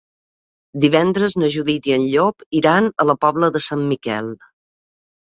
Divendres na Judit i en Llop iran a la Pobla de Sant Miquel.